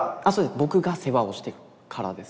僕が世話をしてるからです。